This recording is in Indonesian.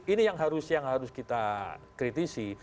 ini yang harus kita kritisi